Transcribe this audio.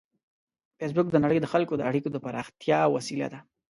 فېسبوک د نړۍ د خلکو د اړیکو د پراختیا وسیله ده